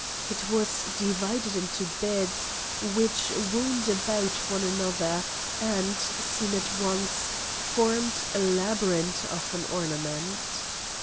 It was divided into beds, which wound about one another, and, seen at once, formed a labyrinth of an ornament.